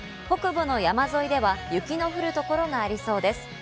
北部の山沿いでは雪の降る所がありそうです。